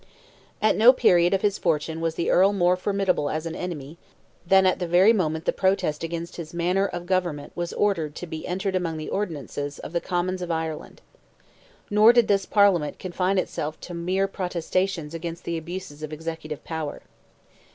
At no period of his fortune was the Earl more formidable as an enemy than at the very moment the Protest against "his manner of government" was ordered "to be entered among the Ordinances" of the Commons of Ireland. Nor did this Parliament confine itself to mere protestations against the abuses of executive power.